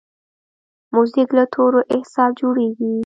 موزیک له تورو احساس جوړوي.